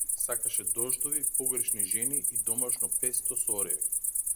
Сакаше дождови, погрешни жени и домашно песто со ореви.